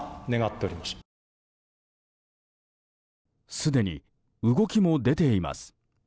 すでに動きも出ています。